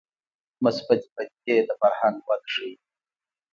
مثبتې پدیدې د فرهنګ وده ښيي